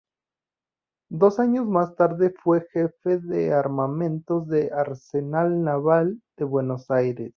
Dos años más tarde fue Jefe de Armamentos del Arsenal Naval de Buenos Aires.